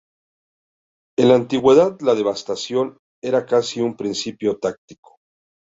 En la antigüedad la devastación era casi un principio táctico.